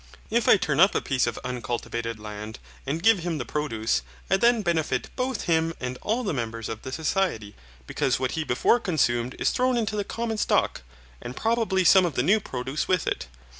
If I turn up a piece of uncultivated land, and give him the produce, I then benefit both him and all the members of the society, because what he before consumed is thrown into the common stock, and probably some of the new produce with it.